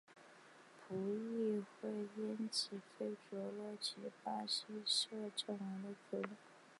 葡议会因此废黜了其巴西摄政王的职务。